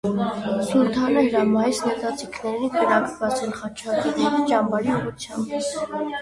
Սուլթանը հրամայեց նետաձիգներին կրակ բացել խաչակիրների ճամբարի ուղղությամբ։